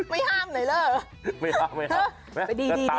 ไม่ห้ามหน่อยล่ะ